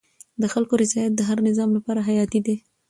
د خلکو رضایت د هر نظام لپاره حیاتي دی